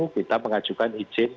kita mengajukan izin